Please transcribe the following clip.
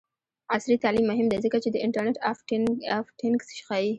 عصري تعلیم مهم دی ځکه چې د انټرنټ آف تینګز ښيي.